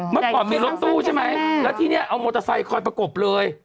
เมื่อก่อนมีรถตู้ใช่ไหมแล้วที่นี่เอามอเตอร์ไซค์คอยประกบเลย